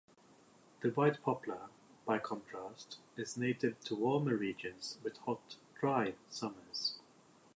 The White Poplar, by contrast, is native to warmer regions, with hot, dry summers.